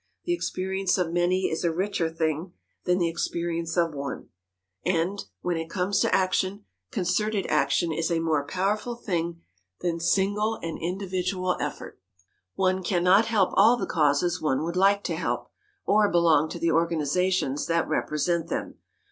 The experience of many is a richer thing than the experience of one; and, when it comes to action, concerted action is a more powerful thing than single and individual effort. [Sidenote: SELECTION OF CHARITIES] One can not help all the causes one would like to help, or belong to the organizations that represent them.